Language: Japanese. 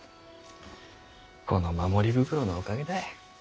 この守り袋のおかげだい。